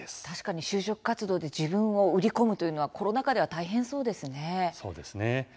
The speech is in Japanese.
確かに就職活動で自分を売り込むというのはそうですね。